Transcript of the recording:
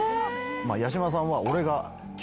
八嶋さんは。